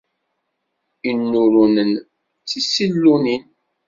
Inurunen d tisilunin.